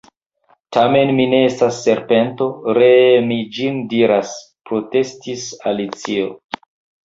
"Tamen mi ne estas serpento, ree mi ĝin diras," protestis Alicio.